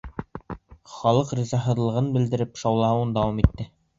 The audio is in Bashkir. Халыҡ, ризаһыҙлыҡ белдереп, шаулауын дауам итте.